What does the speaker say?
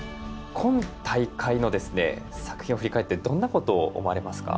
今大会の作品を振り返ってどんなことを思われますか？